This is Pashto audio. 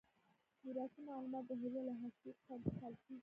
میراثي معلومات د حجره له هسته څخه انتقال کیږي.